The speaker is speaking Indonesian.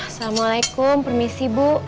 assalamualaikum permisi bu